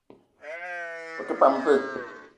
Ou te pam vé?